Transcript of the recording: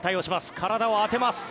体を当てます。